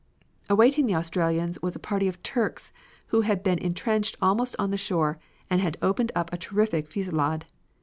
Awaiting the Australians was a party of Turks who had been intrenched almost on the shore and had opened up a terrific fusillade.